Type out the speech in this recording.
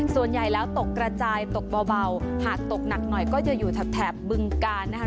ส่วนใหญ่แล้วตกกระจายตกเบาหากตกหนักหน่อยก็จะอยู่แถบบึงกาลนะคะ